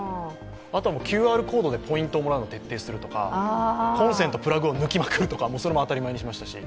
あとはＱＲコードでポイントをもらうのを徹底するとか、コンセント、プラグを抜きまくるとか、それも当たり前にしましたし。